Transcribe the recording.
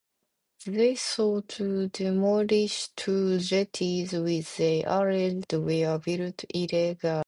They sought to demolish two jetties which they alleged were built illegally.